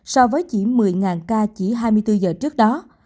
so với chỉ một mươi ca chỉ hai mươi bốn giờ trước đó